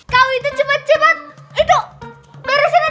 kamu itu cepet cepet itu beresin aja spraynya